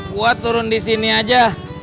buat turun di sini aja